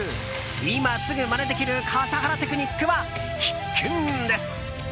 今すぐまねできる笠原テクニックは必見です。